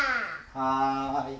はい。